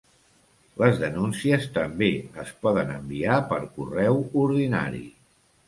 Les denúncies també es poden enviar per correu ordinari.